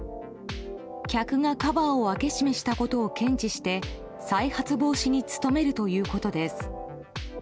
客がカバーを開け閉めしたことを検知して再発防止に努めるということです。